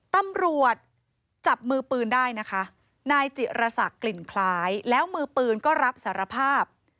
ตำรวจจับมือปืนได้นะคะนายจิรษักกลิ่นคล้ายแล้วมือปืนก็รับสารภาพ